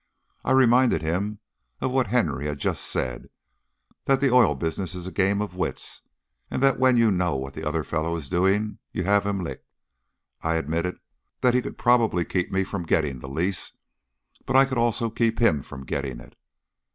I reminded him of what Henry had just said that the oil business is a game of wits, and that when you know what the other fellow is doing you have him licked. I admitted that he could probably keep me from getting the lease, but I could also keep him from getting it.